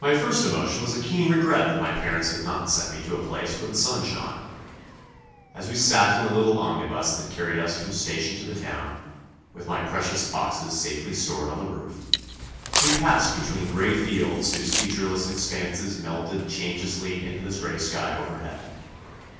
My first emotion was a keen regret that my parents had not sent me to a place where the sun shone. As we sat in the little omnibus THE NEW BOY 51 that carried us from the station to the town, with my precious boxes safely stored on the roof, we passed between grey fields whose featureless expanses melted changelessly into the grey sky overhead.